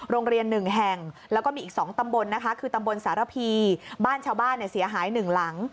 โรงเรียนหนึ่งแห่งแล้วก็มีอีก๒ตำบลนะคะคือตำบลสารพีบ้านชาวบ้านเนี่ยเสียหายหนึ่งหลัง